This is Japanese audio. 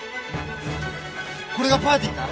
これがパーティーか？